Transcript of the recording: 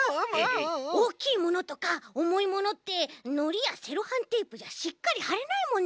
おおきいものとかおもいものってのりやセロハンテープじゃしっかりはれないもんね。